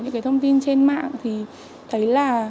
những thông tin trên mạng thì thấy là